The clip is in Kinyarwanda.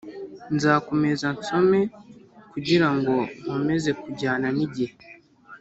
Nzakomeza nsome kugira ngo nkomeze kujyana n’igihe,